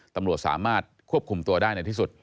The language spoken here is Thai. ตำรวจสามารถควบคุมตัวได้ในที่สุด